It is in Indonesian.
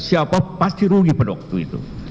siapa pasti rugi pada waktu itu